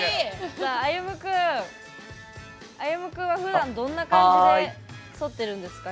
あゆむ君は、ふだんどんな感じで剃ってるんですか？